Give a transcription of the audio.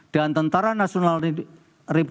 dan tentara nasional negara